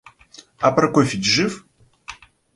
А Прокофьич жив?